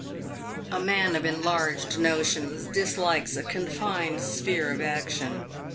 A man of enlarged notions dislikes a confined sphere of action.